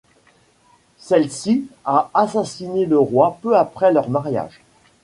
Celle-ci a assassiné le Roi peu après leur mariage.